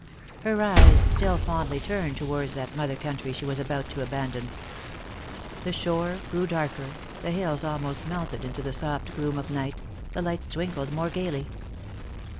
Her eyes still fondly turned towards that mother country she was about to abandon. The shore grew darker, the hills almost melted into the soft gloom of night, the lights twinkled more gaily.